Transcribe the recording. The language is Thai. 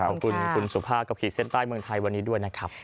ขอบคุณคุณสุภาพกับขีดเส้นใต้เมืองไทยวันนี้ด้วยนะครับ